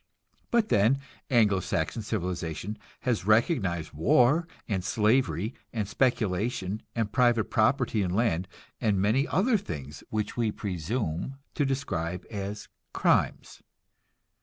But then, Anglo Saxon civilization has recognized war, and slavery, and speculation, and private property in land, and many other things which we presume to describe as crimes.